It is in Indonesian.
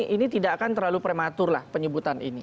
ini tidak akan terlalu prematur lah penyebutan ini